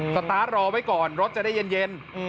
สตาร์ทรอไว้ก่อนรถจะได้เย็น